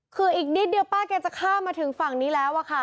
คืออีกนิดเดียวป้าแกจะข้ามมาถึงฝั่งนี้แล้วอะค่ะ